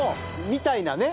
みたいなね。